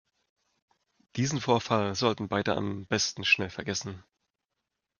Diesen Vorfall sollten beide am besten schnell vergessen.